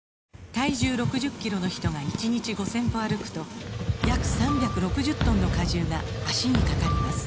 体重６０キロの人が１日５０００歩歩くと約３６０トンの荷重が脚にかかります